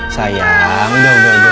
sayang udah udah udah